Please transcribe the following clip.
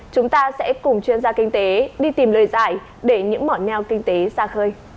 chúng ta sẽ cùng chuyên gia kinh tế đi tìm lời giải để những mỏ neo kinh tế xa khơi